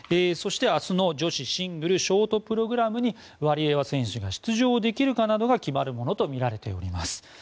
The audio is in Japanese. そして、明日の女子シングルショートプログラムにワリエワ選手が出場できるかなどが決まるものとみられています。